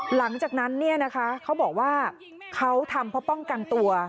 หลังจากนั้นเนี่ยนะคะเขาบอกว่าเขาทำเพราะป้องกันตัว